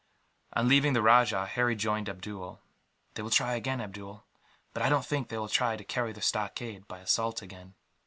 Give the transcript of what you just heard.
On leaving the rajah, Harry joined Abdool. "They will try again, Abdool; but I don't think they will try to carry the stockade by assault again."